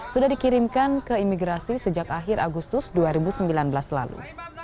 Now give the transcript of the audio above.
sudah dikirimkan ke imigrasi sejak akhir agustus dua ribu sembilan belas lalu